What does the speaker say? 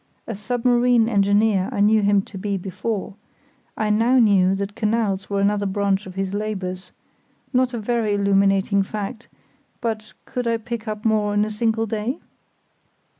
A submarine engineer I knew him to be before; I now knew that canals were another branch of his labours—not a very illuminating fact; but could I pick up more in a single day?